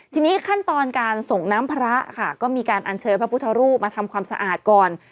ทีนี้ขั้นตอนการส่งน้ำพระค่ะก็มีการอัญเชิญพระพุทธรูปมาทำความสะอาดก่อน